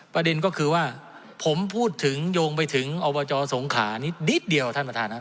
ประเด็นก็คือว่าผมพูดถึงโยงไปถึงอบจสงขานิดนิดเดียวท่านประธานครับ